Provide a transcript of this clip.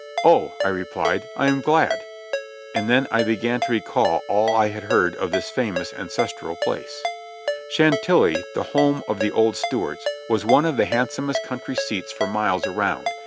"Oh !" I repHed, "I am glad." And then I began to recall all I had heard of this famous ancestral place. Chantilly, the home of the old Stuarts, v\^as one of the hand somest country seats for miles around.